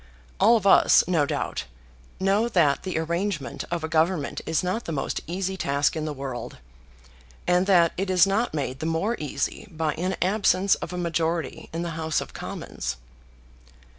All of us, no doubt, know that the arrangement of a government is not the most easy task in the world; and that it is not made the more easy by an absence of a majority in the House of Commons."